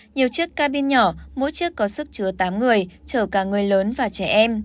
nhiều chiếc cabin nhỏ mỗi chiếc có sức chứa tám người chở cả người lớn và trẻ em